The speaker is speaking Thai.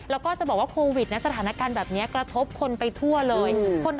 แล้วก็จะบอกว่าโควิดสถานการณ์แบบนี้กระทบคนไปทั่วเลย